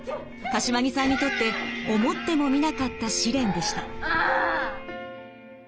柏木さんにとって思ってもみなかった試練でした。